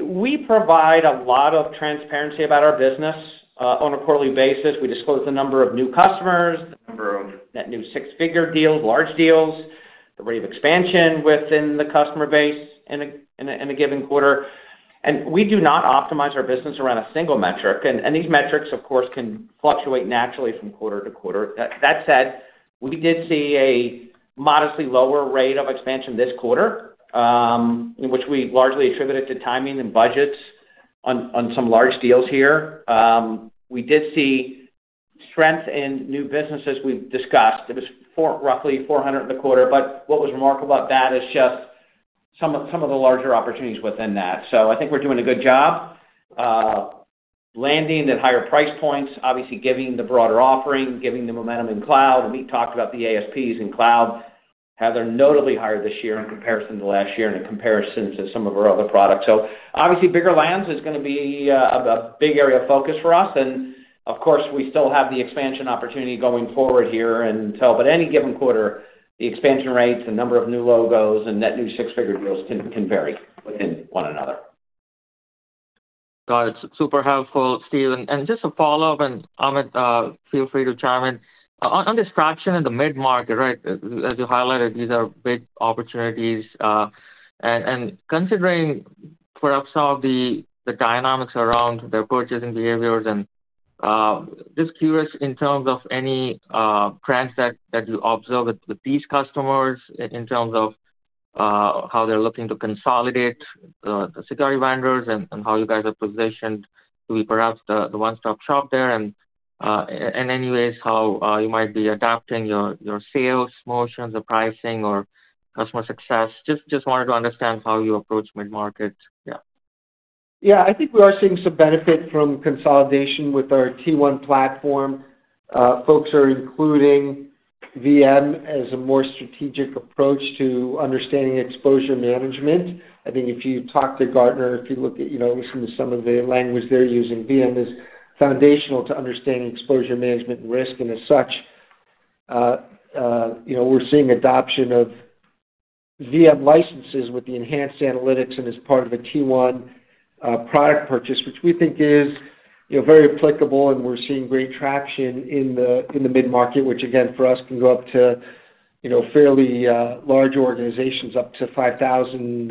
we provide a lot of transparency about our business on a quarterly basis. We disclose the number of new customers, the number of net new six-figure deals, large deals, the rate of expansion within the customer base in a given quarter. And we do not optimize our business around a single metric. And these metrics, of course, can fluctuate naturally from quarter-to-quarter. That said, we did see a modestly lower rate of expansion this quarter, which we largely attributed to timing and budgets on some large deals here. We did see strength in new businesses we've discussed. It was roughly 400 in the quarter. But what was remarkable about that is just some of the larger opportunities within that. I think we're doing a good job landing at higher price points, obviously, given the broader offering, given the momentum in cloud. And we talked about the ASPs in cloud. They're notably higher this year in comparison to last year and in comparison to some of our other products. So obviously, bigger lands is going to be a big area of focus for us. And of course, we still have the expansion opportunity going forward here until, but any given quarter, the expansion rates and number of new logos and net new six-figure deals can vary within one another. Got it. Super helpful, Steve. And just to follow up, and Amit, feel free to chime in. On this traction in the mid-market, right, as you highlighted, these are big opportunities. And considering perhaps some of the dynamics around their purchasing behaviors, and just curious in terms of any trends that you observe with these customers in terms of how they're looking to consolidate the security vendors and how you guys are positioned to be perhaps the one-stop shop there. And in any ways, how you might be adapting your sales motions or pricing or customer success. Just wanted to understand how you approach mid-market. Yeah. Yeah. I think we are seeing some benefit from consolidation with our Tenable One platform. Folks are including VM as a more strategic approach to understanding exposure management. I think if you talk to Gartner, if you look at some of the language they're using, VM is foundational to understanding exposure management risk. And as such, we're seeing adoption of VM licenses with the enhanced analytics and as part of a Tenable One product purchase, which we think is very applicable. And we're seeing great traction in the mid-market, which again, for us, can go up to fairly large organizations up to 5,000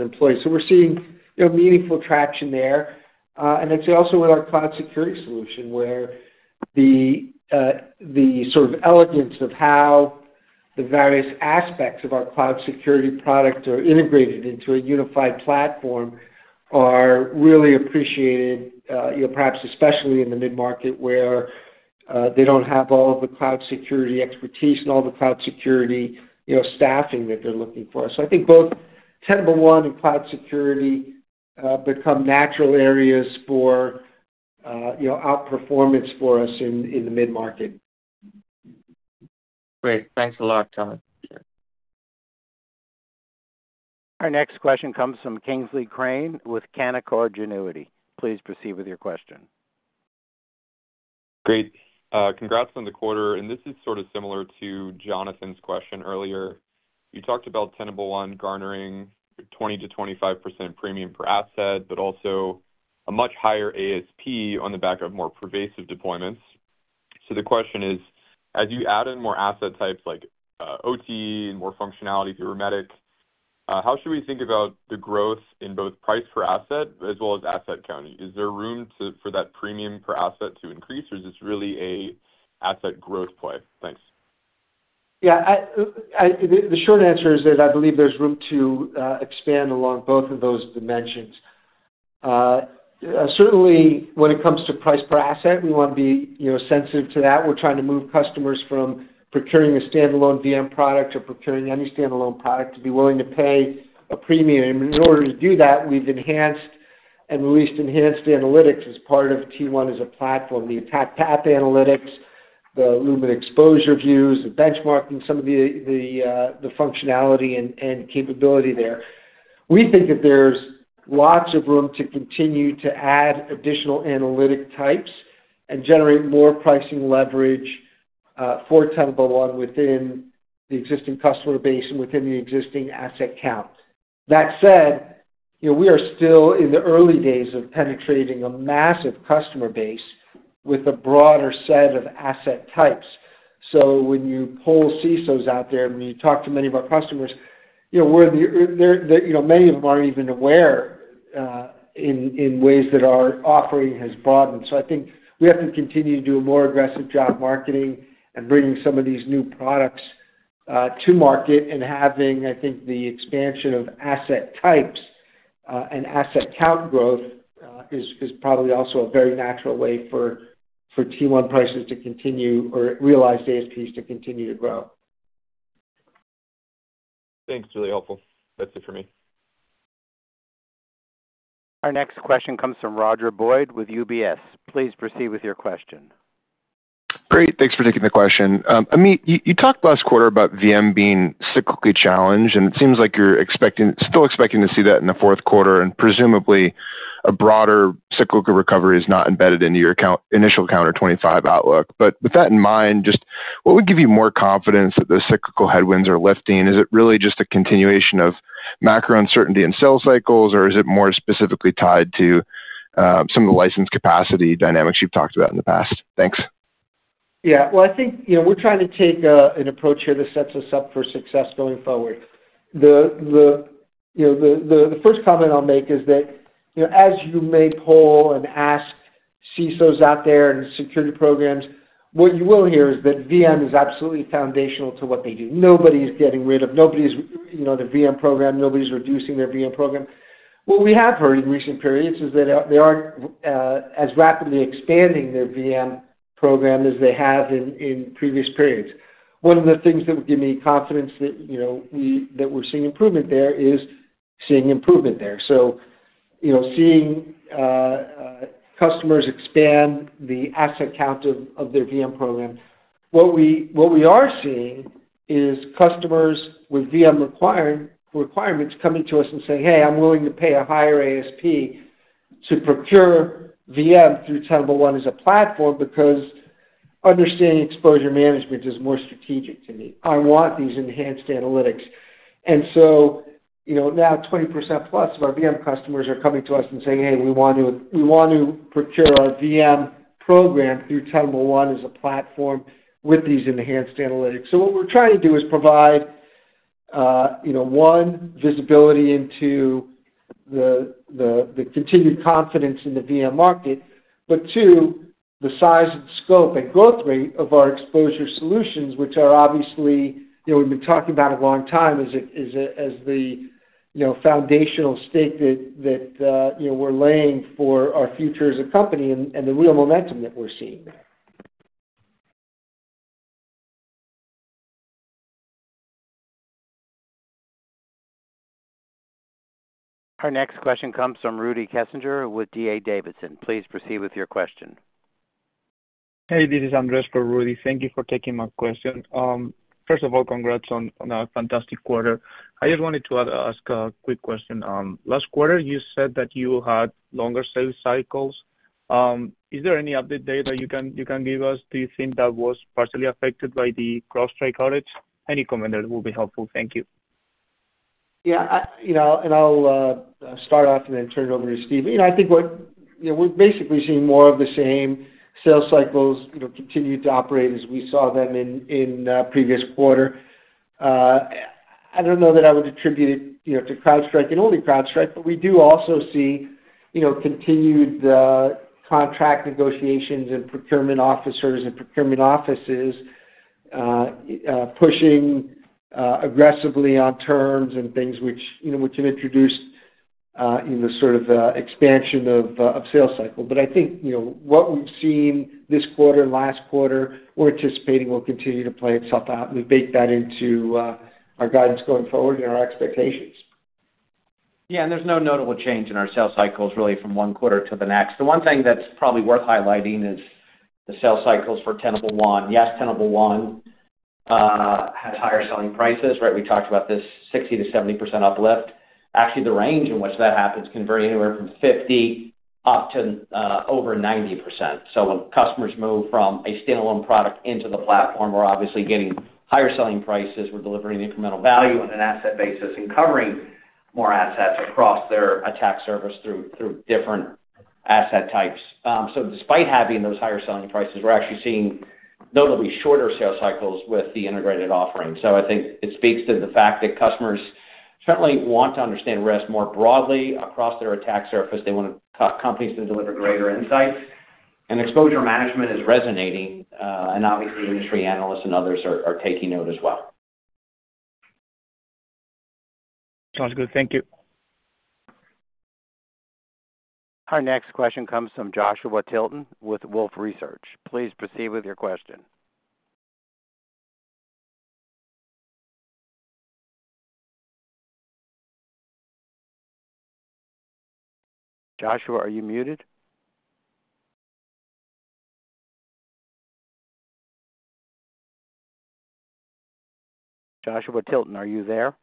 employees. So we're seeing meaningful traction there. And I'd say also with our cloud security solution, where the sort of elegance of how the various aspects of our cloud security product are integrated into a unified platform are really appreciated, perhaps especially in the mid-market where they don't have all of the cloud security expertise and all the cloud security staffing that they're looking for. So I think both Tenable One and cloud security become natural areas for outperformance for us in the mid-market. Great. Thanks a lot, John. Our next question comes from Kingsley Crane with Canaccord Genuity. Please proceed with your question. Great. Congrats on the quarter. And this is sort of similar to Jonathan's question earlier. You talked about Tenable One garnering 20%-25% premium per asset, but also a much higher ASP on the back of more pervasive deployments. So the question is, as you add in more asset types like OT and more functionality through Ermetic, how should we think about the growth in both price per asset as well as asset count? Is there room for that premium per asset to increase, or is this really an asset growth play? Thanks. Yeah. The short answer is that I believe there's room to expand along both of those dimensions. Certainly, when it comes to price per asset, we want to be sensitive to that. We're trying to move customers from procuring a standalone VM product or procuring any standalone product to be willing to pay a premium. In order to do that, we've enhanced and released enhanced analytics as part of Tenable One as a platform, the Attack Path Analytics, the Lumen Exposure Views, the benchmarking, some of the functionality and capability there. We think that there's lots of room to continue to add additional analytic types and generate more pricing leverage for Tenable One within the existing customer base and within the existing asset count. That said, we are still in the early days of penetrating a massive customer base with a broader set of asset types. So when you pull CISOs out there and you talk to many of our customers, many of them aren't even aware in ways that our offering has broadened. So I think we have to continue to do a more aggressive job marketing and bringing some of these new products to market. And having, I think, the expansion of asset types and asset count growth is probably also a very natural way for Tenable One prices to continue or realized ASPs to continue to grow. Thanks. Really helpful. That's it for me. Our next question comes from Roger Boyd with UBS. Please proceed with your question. Great. Thanks for taking the question. Amit, you talked last quarter about VM being cyclically challenged, and it seems like you're still expecting to see that in the Q4. And presumably, a broader cyclical recovery is not embedded into your initial Q1 '25 outlook. But with that in mind, just what would give you more confidence that the cyclical headwinds are lifting? Is it really just a continuation of macro uncertainty in sales cycles, or is it more specifically tied to some of the license capacity dynamics you've talked about in the past? Thanks. Yeah. Well, I think we're trying to take an approach here that sets us up for success going forward. The first comment I'll make is that as you may poll and ask CISOs out there and security professionals, what you will hear is that VM is absolutely foundational to what they do. Nobody is getting rid of the VM program. Nobody's reducing their VM program. What we have heard in recent periods is that they aren't as rapidly expanding their VM program as they have in previous periods. One of the things that would give me confidence that we're seeing improvement there is seeing improvement there. So, seeing customers expand the asset count of their VM program, what we are seeing is customers with VM requirements coming to us and saying, "Hey, I'm willing to pay a higher ASP to procure VM through Tenable One as a platform because understanding exposure management is more strategic to me. I want these enhanced analytics." And so now 20%+ of our VM customers are coming to us and saying, "Hey, we want to procure our VM program through Tenable One as a platform with these enhanced analytics." So what we're trying to do is provide, one, visibility into the continued confidence in the VM market, but two, the size and scope and growth rate of our exposure solutions, which are obviously we've been talking about a long time as the foundational stake that we're laying for our future as a company and the real momentum that we're seeing there. Our next question comes from Rudy Kessinger with D.A. Davidson. Please proceed with your question. Hey, this is Andres for Rudy. Thank you for taking my question. First of all, congrats on a fantastic quarter. I just wanted to ask a quick question. Last quarter, you said that you had longer sales cycles. Is there any update data you can give us? Do you think that was partially affected by the CrowdStrike outage? Any comment that will be helpful. Thank you. Yeah. And I'll start off and then turn it over to Steve. I think we're basically seeing more of the same sales cycles continue to operate as we saw them in previous quarter. I don't know that I would attribute it to CrowdStrike and only CrowdStrike, but we do also see continued contract negotiations and procurement officers and procurement offices pushing aggressively on terms and things, which have introduced sort of the expansion of sales cycle. But I think what we've seen this quarter and last quarter, we're anticipating will continue to play itself out. We've baked that into our guidance going forward and our expectations. Yeah. And there's no notable change in our sales cycles really from one quarter to the next. The one thing that's probably worth highlighting is the sales cycles for Tenable One. Yes, Tenable One has higher selling prices, right? We talked about this 60%-70% uplift. Actually, the range in which that happens can vary anywhere from 50% up to over 90%. So when customers move from a standalone product into the platform, we're obviously getting higher selling prices. We're delivering incremental value on an asset basis and covering more assets across their attack surface through different asset types. So despite having those higher selling prices, we're actually seeing notably shorter sales cycles with the integrated offering. So I think it speaks to the fact that customers certainly want to understand risk more broadly across their attack surface. They want companies to deliver greater insights. Exposure Management is resonating. Obviously, industry analysts and others are taking note as well. Sounds good. Thank you. Our next question comes from Joshua Tilton with Wolfe Research. Please proceed with your question. Joshua, are you muted? Joshua Tilton, are you there?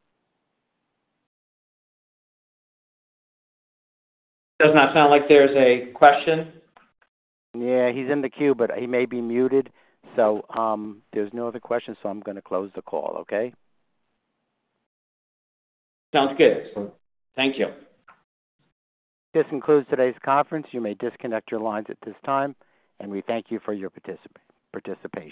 Does not sound like there's a question. Yeah. He's in the queue, but he may be muted. So there's no other questions, so I'm going to close the call, okay? Sounds good. Thank you. This concludes today's conference. You may disconnect your lines at this time, and we thank you for your participation.